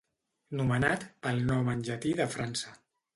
Nomenat pel nom en llatí de França.